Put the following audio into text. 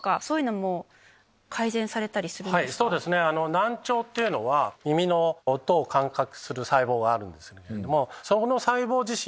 難聴っていうのは耳の音を感じる細胞があるんですけど。